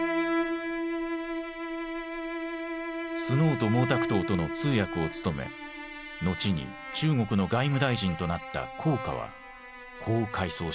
スノーと毛沢東との通訳を務め後に中国の外務大臣となった黄華はこう回想している。